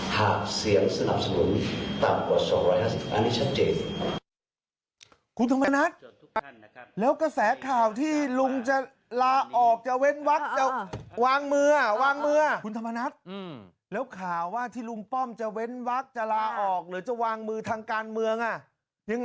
หากเสียงสนับสนุนต่ำกว่า๒๕๐อันนี้ชัดเจน